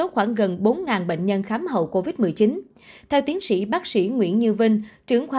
khoảng gần bốn bệnh nhân khám hậu covid một mươi chín theo tiến sĩ bác sĩ nguyễn như vinh trưởng khoa